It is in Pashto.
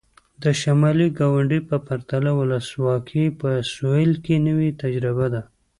د شمالي ګاونډي په پرتله ولسواکي په سوېل کې نوې تجربه ده.